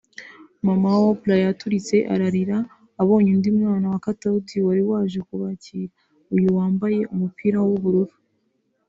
Mama wa Oprah yaturitse ararira abonye undi mwana wa Katauti wari waje kubakira (Uyu wambaye umupira w'ubururu)